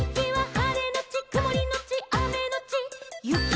「はれのちくもりのちあめのちゆき」